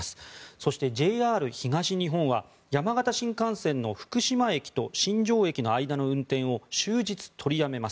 そしてＪＲ東日本は山形新幹線の福島駅と新庄駅の間の運転を終日取りやめます。